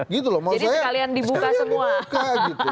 jadi sekalian dibuka semua